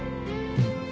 うん。